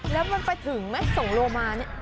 แล้วมันไปถึงไหมส่งโลมาเนี่ย